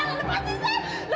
saya tidak bersalah